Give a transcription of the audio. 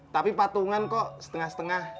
tapi patungan kok setengah setengah